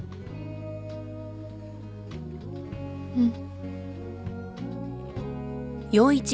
うん。